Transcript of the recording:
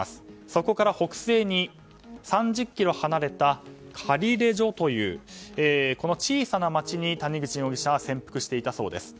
そこから北西に３０ｋｍ離れたカリレジョというこの小さな街に谷口容疑者は潜伏していたそうです。